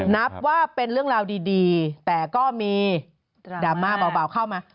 นับว่าเป็นเรื่องราวดีแต่ก็มีดราม่าเบาเข้ามา